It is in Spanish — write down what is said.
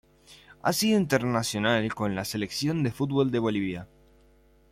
Ha sido internacional con la selección de fútbol de Bolivia.